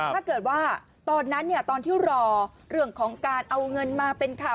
ถ้าเกิดว่าตอนนั้นเนี่ยตอนที่รอเรื่องของการเอาเงินมาเป็นข่าว